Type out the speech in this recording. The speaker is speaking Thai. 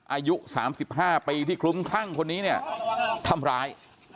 อายุ๓๕ปีที่คลุ้มคลั่งคนนี้เนี่ยทำร้าย